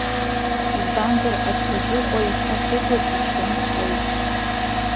Избанзар Аҭлагьыҟәа иԥҳа Хьыбла дизҳәаны дтәоуп.